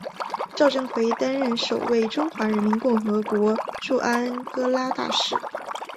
赵振魁担任首位中华人民共和国驻安哥拉大使。